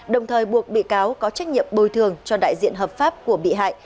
đồng thời buộc bị cáo có trách nhiệm bồi thường cho đại diện hợp pháp của bị hại